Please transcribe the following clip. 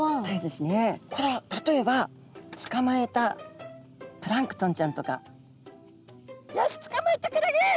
これは例えばつかまえたプランクトンちゃんとかよしつかまえたクラゲ。